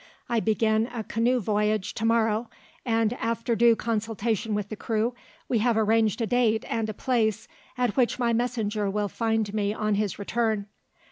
I begin a canoe voyage to morrow; and, after due consultation with the crew, we have arranged a date and a place at which my messenger will find me on his return.